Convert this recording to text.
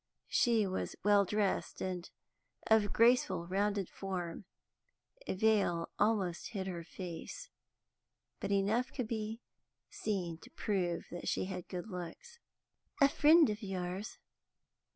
She was well dressed, and of graceful, rounded form; a veil almost hid her face, but enough could be seen to prove that she had good looks. "That a friend of yours?"